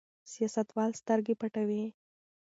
سیاستوال سترګې پټوي.